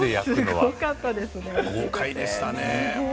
豪快でしたね。